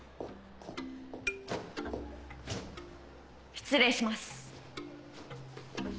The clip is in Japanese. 失礼します。